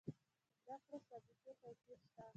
زده کړو سابقې توپیر شته.